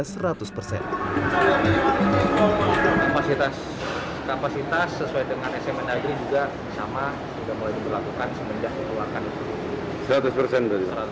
kapasitas sesuai dengan sma mendagri juga sama sudah boleh dilakukan semenjak keluarkan